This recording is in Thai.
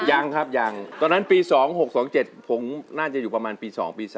ยังครับยังตอนนั้นปี๒๖๒๗ผมน่าจะอยู่ประมาณปี๒ปี๓